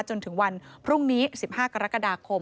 จนถึงวันพรุ่งนี้๑๕กรกฎาคม